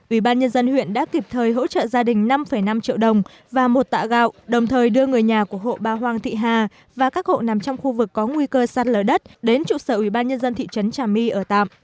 ubnd huyện đã kịp thời hỗ trợ gia đình năm năm triệu đồng và một tạ gạo đồng thời đưa người nhà của hộ ba hoàng thị hà và các hộ nằm trong khu vực có nguy cơ sạt lở đất đến trụ sở ubnd thị trấn trà my ở tạm